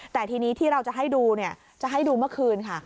แต่ทีนี้ที่เราจะให้ดูจะให้ดูเมื่อคืนค่ะ